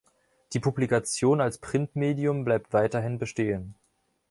Die Publikation als Printmedium bleibt weiterhin bestehen.